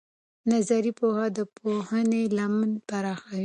نظري پوهه د پوهنې لمن پراخوي.